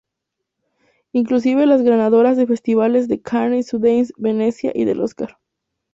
Inclusive las ganadoras de los festivales de Cannes, Sundance, Venezia y del Oscar.